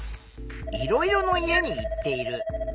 「いろいろの家にいっている」。